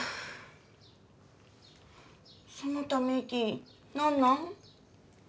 そのため息何なん？